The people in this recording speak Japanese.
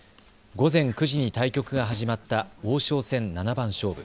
午前９時に対局が始まった王将戦七番勝負。